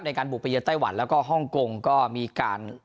ในการบุกไปเยือไต้หวันแล้วก็ฮ่องกงก็มีการ